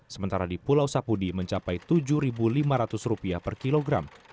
sementara di pulau sapudi mencapai rp tujuh lima ratus per kilogram